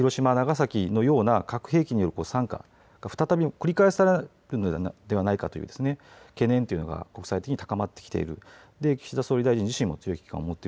こうした中でも広島、長崎のような核兵器による惨禍が再び繰り返されるのではないかという懸念が国際的に高まってきている。